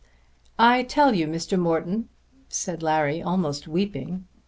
"I'll tell you, Mr. Morton," said Larry almost weeping.